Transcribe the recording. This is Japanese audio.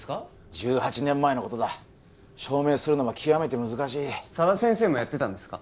１８年前のことだ証明するのは極めて難しい佐田先生もやってたんですか？